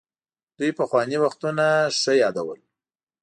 دوی پخواني وختونه ښه يادول.